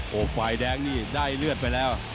โอ้โหฝ่ายแดงนี่ได้เลือดไปแล้ว